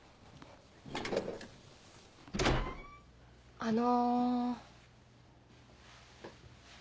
あの。